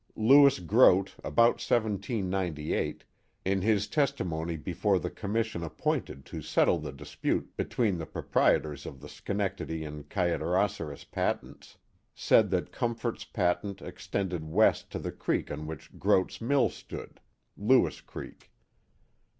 Lewis Groot, about 1798, in his testimony before the com mission appointed to settle the dispute between the proprie tors of the Schenectady and Kayaderosseras Patents, said that Comfort's patent extended west to the creek on which Groot's mill stood (Lewis Creek).